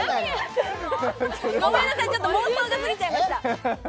ごめんなさい、ちょっと妄想がすぎちゃいました。